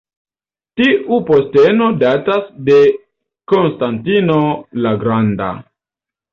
Tiu posteno datas de Konstantino la Granda.